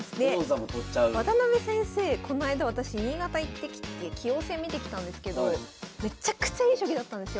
渡辺先生こないだ私新潟行ってきて棋王戦見てきたんですけどめちゃくちゃいい将棋だったんですよ。